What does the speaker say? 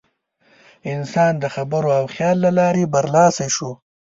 انسان د خبرو او خیال له لارې برلاسی شو.